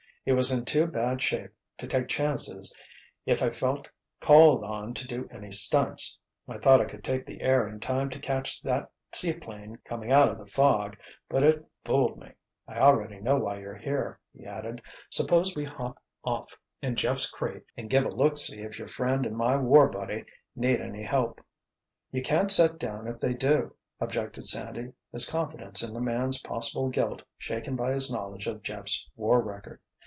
He was in too bad shape to take chances if I felt called on to do any stunts—I thought I could take the air in time to catch that seaplane coming out of the fog, but it fooled me. I already know why you're here," he added, "suppose we hop off in Jeff's 'crate' and give a look see if your friend and my war buddy need any help." "You can't set down if they do," objected Sandy, his confidence in the man's possible guilt shaken by his knowledge of Jeff's war record.